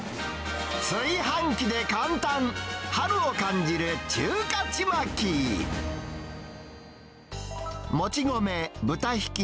炊飯器で簡単、春を感じる中華ちまき。